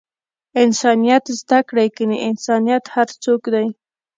انسانیت زده کړئ! کنې انسان هر څوک دئ!